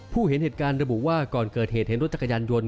เห็นเหตุการณ์ระบุว่าก่อนเกิดเหตุเห็นรถจักรยานยนต